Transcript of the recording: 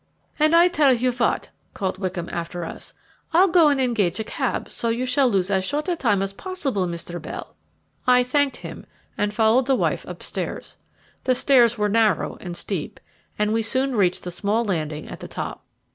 "And I tell you what," called Wickham after us, "I'll go and engage a cab, so that you shall lose as short a time as possible, Mr. Bell." I thanked him and followed the wife upstairs. The stairs were narrow and steep, and we soon reached the small landing at the top.